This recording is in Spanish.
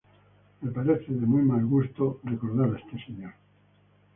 Posteriormente Heinrich Himmler ordenó desenterrar, quemar los cuerpos y esparcir las cenizas.